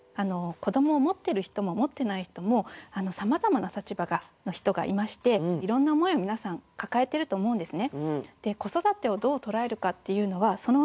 子どもを持ってる人も持ってない人もさまざまな立場の人がいましていろんな思いを皆さん抱えてると思うんですね。